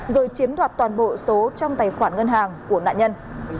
rồi chiếm đoạt toàn bộ số trong tài khoản ngân hàng của nạn nhân